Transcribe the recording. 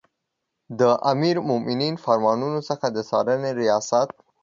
د امیرالمؤمنین د فرمانونو څخه د څارنې ریاست